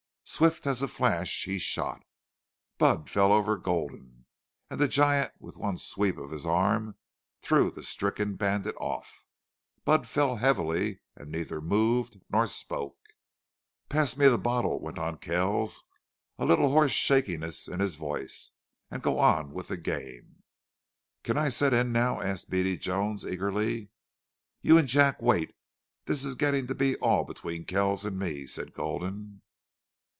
Swift as a flash he shot. Budd fell over Gulden, and the giant with one sweep of his arm threw the stricken bandit off. Budd fell heavily, and neither moved nor spoke. "Pass me the bottle," went on Kells, a little hoarse shakiness in his voice. "And go on with the game!" "Can I set in now?" asked Beady Jones, eagerly. "You and Jack wait. This's getting to be all between Kells an' me," said Gulden.